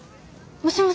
もしもし？